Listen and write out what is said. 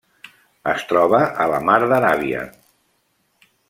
Es troba a la Mar d'Aràbia.